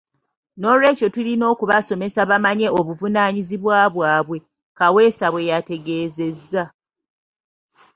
Noolwekyo tulina okubasomesa bamanye obuvunaanyizibwa bwabwe.” Kaweesa bw'ategeezezza.